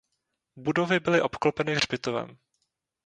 Budovy byly obklopeny hřbitovem.